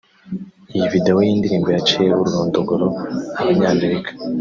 Iyi videwo y’indirimbo yaciye ururondogoro abanyamerika